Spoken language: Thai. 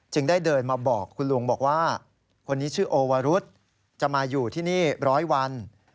ได้เดินมาบอกคุณลุงบอกว่าคนนี้ชื่อโอวรุษจะมาอยู่ที่นี่ร้อยวัน